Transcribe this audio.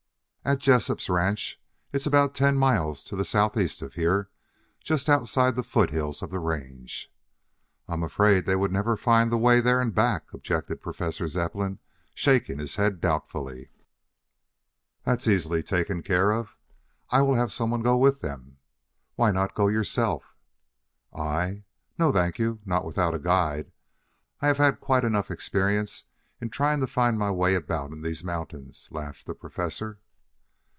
"At Jessup's ranch. It is about ten miles to the southeast of here, just outside the foothills of the range." "I am afraid they would never find the way there and back," objected Professor Zepplin, shaking his head doubtfully. "That is easily taken care of. I will have some one go with them. Why not go yourself?" "I? No, thank you, not without a guide. I have had quite enough experience in trying to find my way about in these mountains," laughed the Professor.